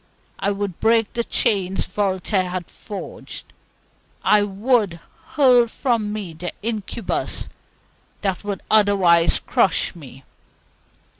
I would brake the chains Voltaire had forged; I WOULD hurl from me the incubus that would otherwise crush me.